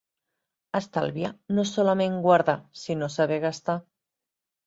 Estalviar no és solament guardar, sinó saber gastar.